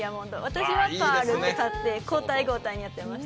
私は「パール」で交代交代でやってました。